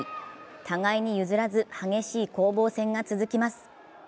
互いに譲らず激しい攻防戦が続きます。